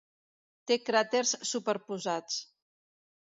Té cràters superposats.